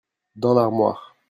Dans l'armoire.